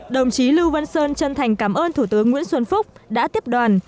đồng chí lưu văn sơn chân thành cảm ơn thủ tướng nguyễn xuân phúc đã tiếp đoàn